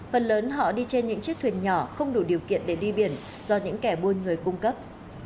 phần lớn họ đi trên những chiếc thuyền nhỏ không đủ điều kiện để đi biển do những kẻ buôn người cung cấp